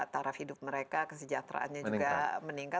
taraf hidup mereka kesejahteraannya juga meningkat